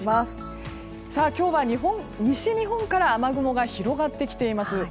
今日は西日本から雨雲が広がってきています。